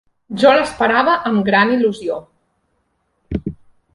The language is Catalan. Jo l'esperava amb gran il·lusió